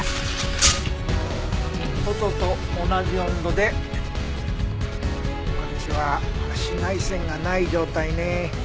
外と同じ温度でこっちは紫外線がない状態ね。